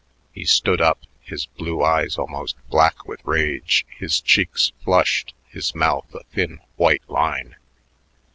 He stood up, his blue eyes almost black with rage, his cheeks flushed, his mouth a thin white line.